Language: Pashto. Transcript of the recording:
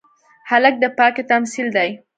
هلک د پاکۍ تمثیل دی.